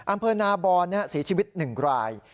อำเภอนาบอนเสียชีวิต๑ราย